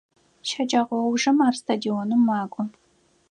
Щэджэгъоужым ар стадионым макӏо.